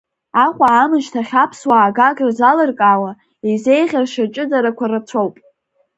Аҟәа аамышьҭахь аԥсуаа Гагра залыркаауа, изеиӷьаршьо аҷыдарақәа рацәоуп.